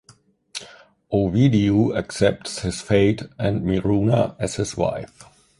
Ovidiu accepts his fate and Miruna as his wife.